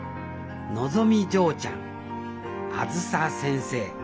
のぞみ嬢ちゃんあづさ先生